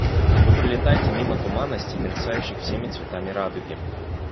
Вы пролетаете мимо туманностей, мерцающих всеми цветами радуги.